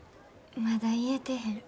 まだ言えてへん。